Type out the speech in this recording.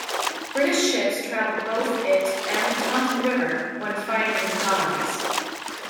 British ships travelled both it and the Taunton River when fighting in the colonies.